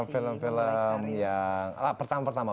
film baru atau film lama